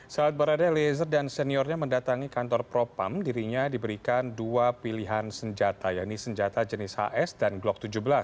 saat barada eliezer dan seniornya mendatangi kantor propam dirinya diberikan dua pilihan senjata yaitu senjata jenis hs dan glock tujuh belas